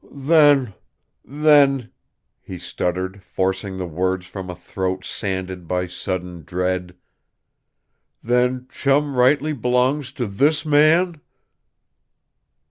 "Then then," he stuttered, forcing the words from a throat sanded by sudden dread, "then Chum rightly b'longs to this man?"